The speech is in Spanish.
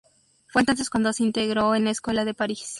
Fue entonces cuando se integró en la Escuela de París.